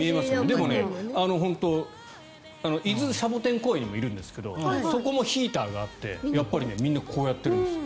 でも、本当に伊豆シャボテン公園にもいるんですがそこもヒーターがあってみんなこうやってるんです。